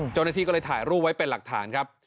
เจ้าหน้าที่ก็เลยถ่ายรูปไว้เป็นหลักฐานครับ